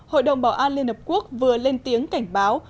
hội đồng bảo an liên hợp quốc vừa lên tiếng cảnh báo